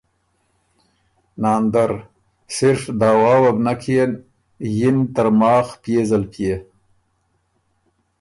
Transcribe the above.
ناندر ـــ صرف دعوٰی وه بو نک کيېن، یِن ترماخ پئے زلپئے۔